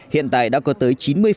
hiện tại đã có tới chín mươi